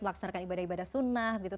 melaksanakan ibadah ibadah sunnah begitu